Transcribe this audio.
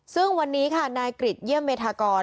ซึ่งวันนี้ค่ะนายกริจเยี่ยมเมธากร